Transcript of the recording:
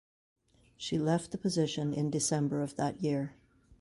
She left the position in December of that year.